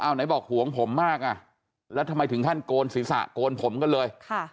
เอาไหนบอกห่วงผมมากอ่ะแล้วทำไมถึงขั้นโกนศีรษะโกนผมกันเลย